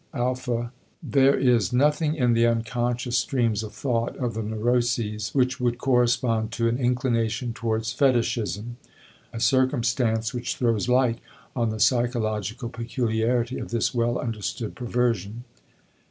Alpha. There is nothing in the unconscious streams of thought of the neuroses which would correspond to an inclination towards fetichism; a circumstance which throws light on the psychological peculiarity of this well understood perversion.